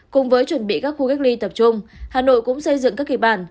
cùng với chuẩn bị các khu cách ly tập trung hà nội cũng xây dựng các kịch bản